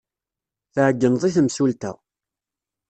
Tɛeyyneḍ i temsulta.